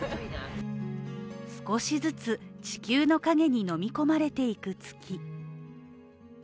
少しずつ、地球の影にのみ込まれていく月。